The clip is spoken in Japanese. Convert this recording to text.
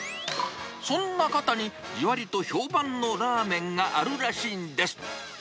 そんな方に、じわりと評判のラーメンがあるらしいんです。